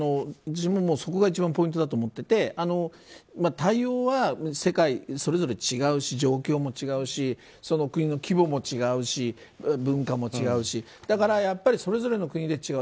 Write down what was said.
そこが一番ポイントだと思ってて対応は世界それぞれ違うし状況も違うし国の規模も違うし文化も違うしそれぞれの国で違う。